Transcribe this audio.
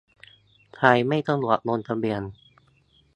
ใครไม่สะดวกลงทะเบียน